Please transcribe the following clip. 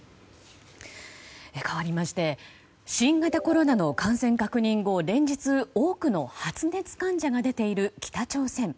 かわりまして新型コロナの感染確認後連日、多くの発熱患者が出ている北朝鮮。